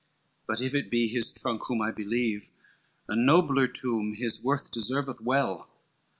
LVI "But if it be his trunk whom I believe, A nobler tomb his worth deserveth well."